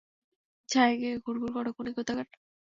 ছায়ায় গিয়ে ঘুরঘুর কর, খুনি কোথাকার।